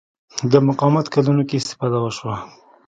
د مقاومت کلونو کې استفاده وشوه